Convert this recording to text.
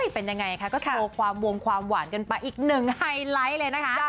เป็นยังไงคะก็โชว์ความวงความหวานกันไปอีกหนึ่งไฮไลท์เลยนะคะ